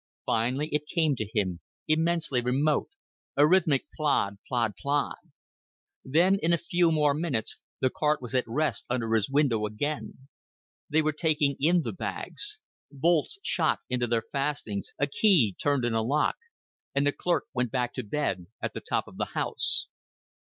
Finally it came to him, immensely remote, a rhythmic plod, plod, plod. Then in a few more minutes the cart was at rest under his window again; they were taking in the bags; bolts shot into their fastenings, a key turned in a lock, and the clerk went back to bed at the top of the house.